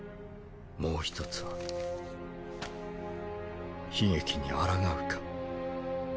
もう１つは悲劇にあらがうか。